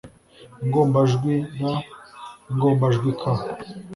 ingombajwi r, ingombajwi k